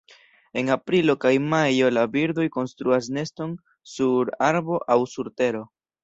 En aprilo kaj majo la birdoj konstruas neston sur arbo aŭ sur tero.